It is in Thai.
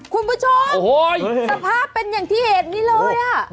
คุณผู้ชมสภาพเป็นอย่างที่เห็นนี่เลยอ่ะ